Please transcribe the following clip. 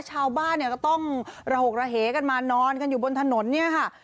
ชาวบ้านเนี่ยก็ต้องระหกระเหกันมานอนกันอยู่บนถนนเนี่ยค่ะ